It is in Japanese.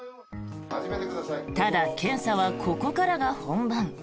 ただ、検査はここからが本番。